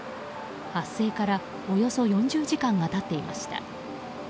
発生からおよそ４０時間が経っていました。